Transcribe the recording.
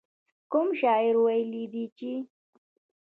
کوم شاعر ويلي دي چې.